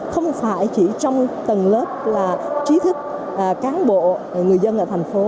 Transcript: không phải chỉ trong tầng lớp là trí thức cán bộ người dân ở thành phố